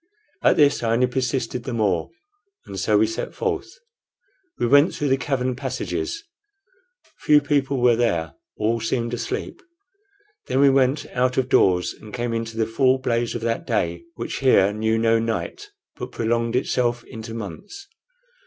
At this I only persisted the more, and so we set forth. We went through the cavern passages. Few people were there; all seemed asleep. Then we went out of doors and came into the full blaze of that day which here knew no night, but prolonged itself into months.